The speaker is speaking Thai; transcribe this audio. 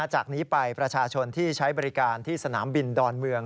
จากนี้ไปประชาชนที่ใช้บริการที่สนามบินดอนเมือง